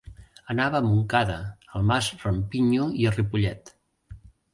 Anava a Montcada, al Mas Rampinyo i a Ripollet.